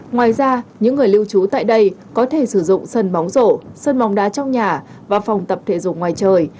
ngoài ra những người lưu trú tại đây có thể sử dụng sân bóng rổ sân bóng đá trong nhà và phòng tập thể dục ngoài trời